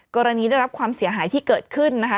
ได้รับความเสียหายที่เกิดขึ้นนะคะ